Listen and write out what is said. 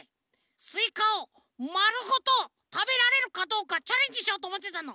スイカをまるごとたべられるかどうかチャレンジしようとおもってたの。